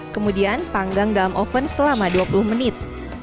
kemudian panggang dalam oven selama dua puluh menit